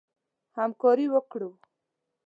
همکاري وکړو.